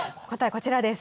こちらです。